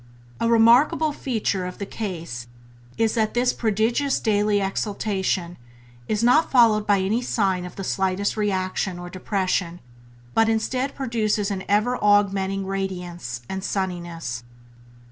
A remarkable feature of the case is that this prodigious daily exaltation is not followed by any sign of the slightest reaction or depression, but instead produces an ever augmenting radiance and sunniness.